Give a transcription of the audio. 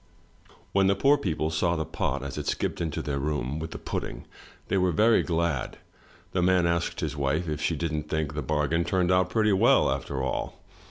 When the poor people saw the pot as it skipped into their room, with the pudding, they were very glad. The man asked his wife if she didn't think the bargain turned out pretty well, after all.